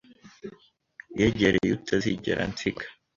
Yegereye utazigera ansiga